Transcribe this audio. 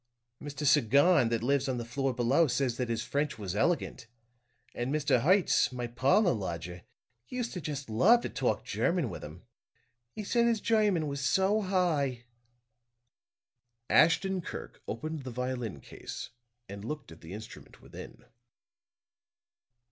Mr. Sagon that lives on the floor below says that his French was elegant, and Mr. Hertz, my parlor lodger, used to just love to talk German with him. He said his German was so high." Ashton Kirk opened the violin case and looked at the instrument within.